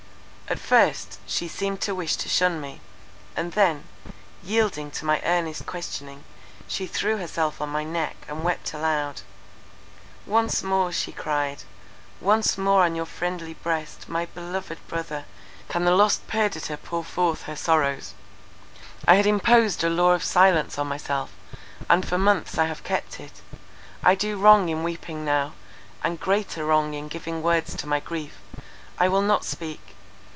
At first, she seemed to wish to shun me; and then, yielding to my earnest questioning, she threw herself on my neck, and wept aloud:—"Once more," she cried, "once more on your friendly breast, my beloved brother, can the lost Perdita pour forth her sorrows. I had imposed a law of silence on myself; and for months I have kept it. I do wrong in weeping now, and greater wrong in giving words to my grief. I will not speak!